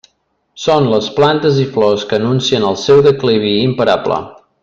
Són les plantes i flors que anuncien el seu declivi imparable.